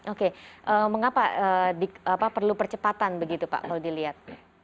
oke mengapa perlu percepatan begitu pak kalau dilihat